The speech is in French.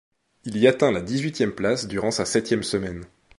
Il y atteint la dix-huitième place durant sa septième semaine.